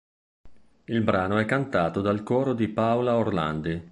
Il brano è cantato dal coro di Paola Orlandi.